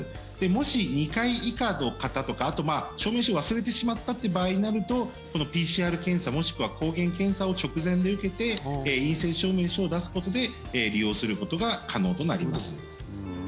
もし、２回以下の方とかあと証明書を忘れてしまったという場合になるとこのＰＣＲ検査もしくは抗原検査を直前で受けて陰性証明書を出すことで利用することが可能となります。